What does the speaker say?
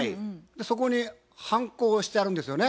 そこにハンコ押してあるんですよね？